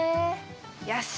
よし！